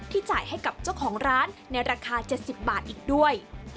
จ่ายให้กับเจ้าของร้านในราคา๗๐บาทอีกด้วย